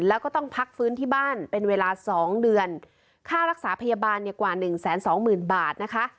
แล้วก็ต้องพักฟื้นที่บ้านเป็นเวลาสองเดือนค่ารักษาพยาบาลเนี่ยกว่าหนึ่งแสนสองหมื่นบาทนะคะ